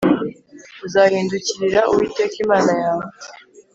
uzahindukirira Uwiteka Imana yawe